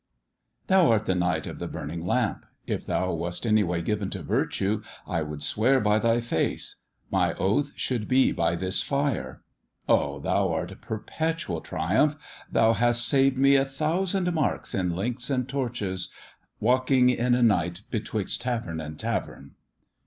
Thou art the Knight of the Burning Lamp: if thou wast any way given to virtue, I would swear by thy face; my oath should be by tnis fire. Oh! thou'rt a perpetual triumph, thou hast saved me a thousand marks in links and torches, walking in a night betwixt tavern and tavern.